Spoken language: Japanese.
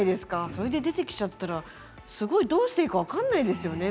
それで出てきちゃったらどうしたらいいか分からないですよね